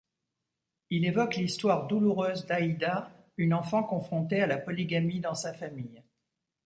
Il évoque l'histoire douloureuse d'Aïda, une enfant confrontée à la polygamie dans sa famille.